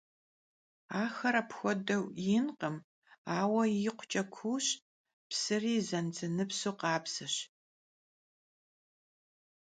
Axer apxuedeu yinkhım, aue yikhuç'e kuuş, psıri zenzenıpsu khabzeş.